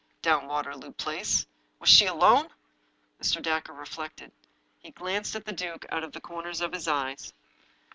" Down Waterloo Place." "Was she alone?" Mr. Dacre reflected. He glanced at the duke out of the comers of his eyes.